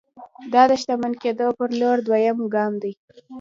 دا د شتمن کېدو پر لور دويم ګام دی.